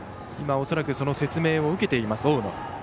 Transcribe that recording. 今、恐らく説明を受けていました。